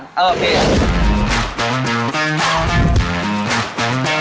เนื้อเผาถ่านเออโอเค